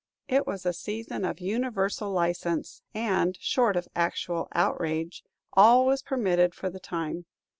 It was a season of universal license, and, short of actual outrage, all was permitted for the time.